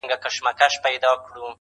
واک د زړه مي عاطفو ته ورکړ ځکه,